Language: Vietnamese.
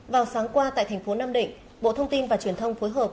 vào sáng qua tại thành phố nam định bộ thông tin và truyền thông phối hợp